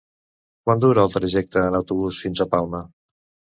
Quant dura el trajecte en autobús fins a Palma?